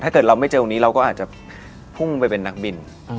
ถ้าเกิดเราไม่เจอวันนี้เราก็อาจจะพุ่งไปเป็นนักบิน